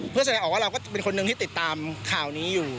ซึ่งสัญญาณออกว่าเราก็เป็นคนนึงที่ติดตามค่าวนี้อยู่